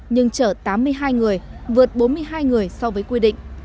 nhưng chở tám mươi hai người vượt bốn mươi hai người so với quy định